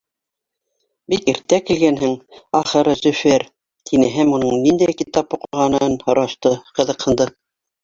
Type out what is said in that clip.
— Бик иртә килгәнһең, ахыры, Зөфәр, — тине һәм уның ниндәй китап уҡығанын һорашты, ҡыҙыҡһынды.